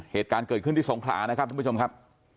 เหตุการณ์เกิดขึ้นที่สงขลานะครับทุกผู้ชมครับ